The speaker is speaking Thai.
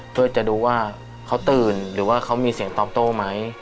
เพื่อจะดูว่าเขาตื่นหรือว่าเขามีเสียงตอบโต้ไหม